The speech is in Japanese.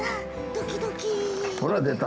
ドキドキ。